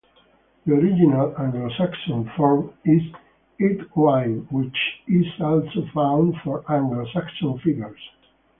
The original Anglo-Saxon form is Eadwine, which is also found for Anglo-Saxon figures.